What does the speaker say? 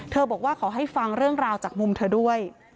บอกว่าขอให้ฟังเรื่องราวจากมุมเธอด้วย